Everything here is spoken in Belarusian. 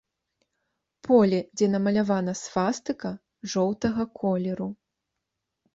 Поле, дзе намалявана свастыка, жоўтага колеру.